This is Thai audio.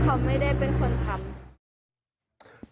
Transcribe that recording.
เขาไม่ได้เป็นคนทำ